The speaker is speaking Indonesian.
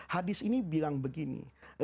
hadis ini bilang begini